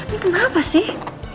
ini kenapa sih